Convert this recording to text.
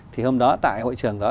thì hôm đó tại hội trường đó